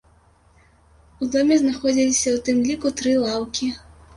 У доме знаходзіліся ў тым ліку тры лаўкі.